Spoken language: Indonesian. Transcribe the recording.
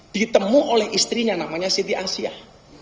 ditemu oleh istrinya namanya siti asyah